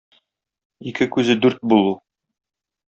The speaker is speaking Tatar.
Ике күзе дүрт булу.